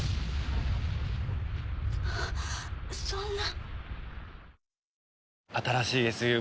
あそんな。